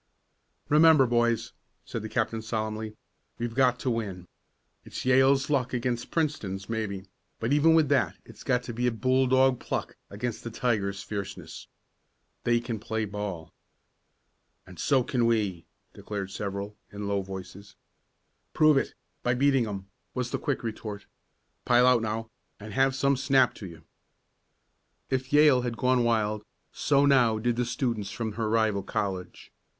"Remember, boys," said the captain solemnly, "we've got to win. It's Yale's luck against Princeton's maybe, but even with that it's got to be bulldog pluck against the tiger's fierceness. They can play ball." "And so can we!" declared several, in low voices. "Prove it by beating 'em!" was the quick retort. "Pile out now, and have some snap to you!" If Yale had gone wild, so now did the students from her rival college.